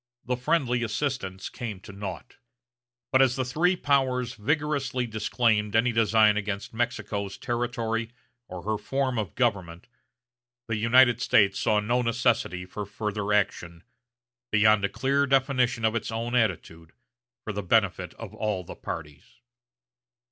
The friendly assistance came to naught; but as the three powers vigorously disclaimed any designs against Mexico's territory or her form of government, the United States saw no necessity for further action, beyond a clear definition of its own attitude for the benefit of all the parties.